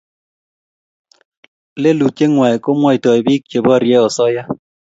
leluyiet ngwai ko mwaitoi piik che porie asoya